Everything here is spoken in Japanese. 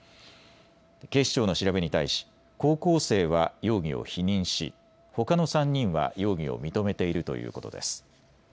警視庁の調べに対し、高校生は容疑を否認し、ほかの３人は容疑を認めているということです。